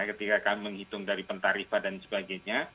ketika kami menghitung dari pentarifah dan sebagainya